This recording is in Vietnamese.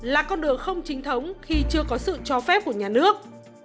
là con đường không chính thống khi chưa có sự cho phép của nhà nước